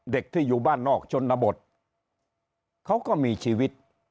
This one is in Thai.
เด็กที่อยู่บ้านนอกชนบทเขาก็มีชีวิต